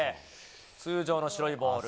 通常の白いボール。